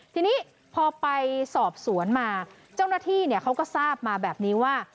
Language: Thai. ทีนี้พอไปสอบสวนมาเจ้าหน้าที่เขาก็ทราบมาแบบนี้ว่า